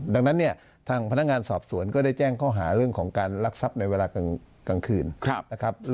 ดังนั้นเนี่ยทางพนักงานสอบสวนก็ได้แจ้งข้อหาเรื่องของการรักทรัพย์ในเวลากลางคืนนะครับ